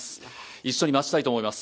一緒に待ちたいと思います。